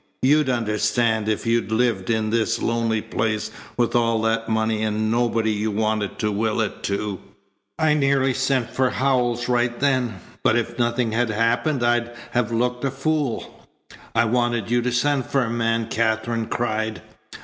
You'd understand if you lived in this lonely place with all that money and nobody you wanted to will it to. I nearly sent for Howells right then. But if nothing had happened I'd have looked a fool." "I wanted you to send for a man," Katherine cried.